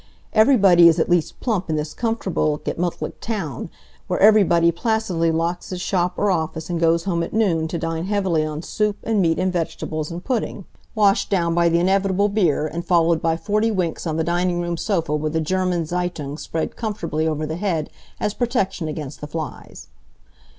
Everybody is at least plump in this comfortable, gemutlich town, where everybody placidly locks his shop or office and goes home at noon to dine heavily on soup and meat and vegetables and pudding, washed down by the inevitable beer and followed by forty winks on the dining room sofa with the German Zeitung spread comfortably over the head as protection against the flies.